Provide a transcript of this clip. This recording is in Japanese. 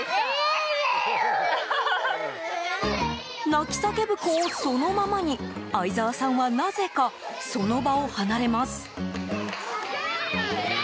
泣き叫ぶ子をそのままに相澤さんはなぜかその場を離れます。